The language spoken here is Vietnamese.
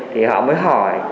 thì họ mới hỏi